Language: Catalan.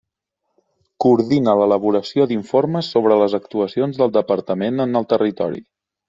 Coordina l'elaboració d'informes sobre les actuacions del Departament en el territori.